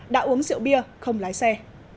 đã uống rượu bia không lái xe